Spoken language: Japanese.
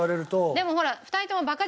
でもほら。